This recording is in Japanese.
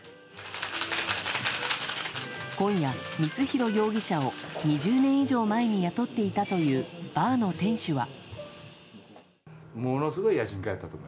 今夜、光弘容疑者を２０年以上に雇っていたというバーの店主は。